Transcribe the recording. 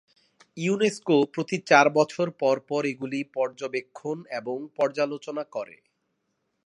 UNESCO প্রতি চার বছর পরপর এগুলি পর্যবেক্ষণ এবং পর্যালোচনা করে।